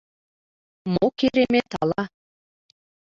Мо керемет ала?